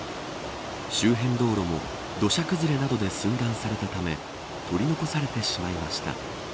周辺道路も土砂崩れなどで寸断されたため取り残されてしまいました。